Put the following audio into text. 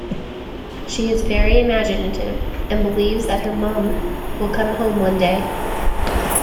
She is very imaginative and believes that her mum will come home one day.